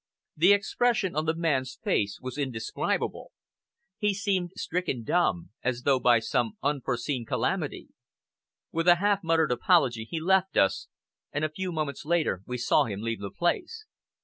The expression on the man's face was indescribable. He seemed stricken dumb, as though by some unforeseen calamity. With a half muttered apology, he left us, and a few moments later we saw him leave the place.